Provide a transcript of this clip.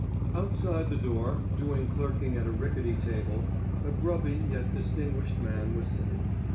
Outside the door, doing clerking at a ricketty table, a grubby yet distinguished man was sitting.